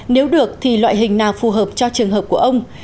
nếu được thì loại hình nào phù hợp cho trường hợp của ông